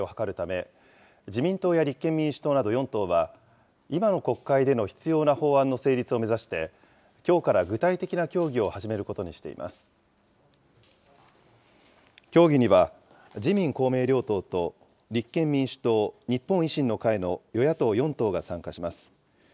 旧統一教会による高額献金などの被害者救済を図るため、自民党や立憲民主党など４党は、今の国会での必要な法案の成立を目指して、きょうから具体的な協議を始めることにしています。協議には、自民、公明両党と立憲民主党、日本の維新の会の与野党４党が参加します。